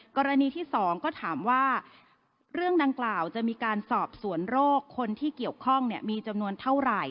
กรณีที่๒ก็ถามว่าเรื่องดังกล่าวจะมีการสอบสวนโรคคนที่เกี่ยวข้องมีจำนวนเท่าไหร่